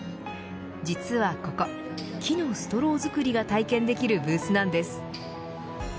実は、ここ木のストロー作りが体験できるブースなんです。